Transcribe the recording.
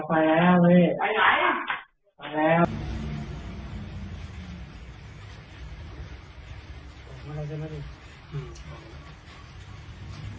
พูดหลังเขาโทษมาก